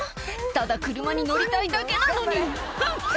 「ただ車に乗りたいだけなのに」